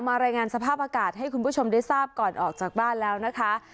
รายงานสภาพอากาศให้คุณผู้ชมได้ทราบก่อนออกจากบ้านแล้วนะคะ